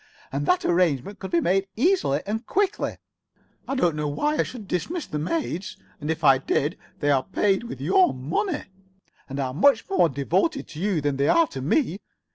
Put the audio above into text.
And that arrangement could be made easily and quickly. I do not see why I should dismiss the maids, and if I did they are paid with your money, and are much more devoted to you than they are to me.